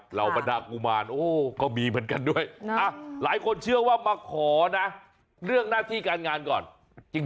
เหล่าบรรดากุมารโอ้ก็มีเหมือนกันด้วยนะหลายคนเชื่อว่ามาขอนะเรื่องหน้าที่การงานก่อนจริง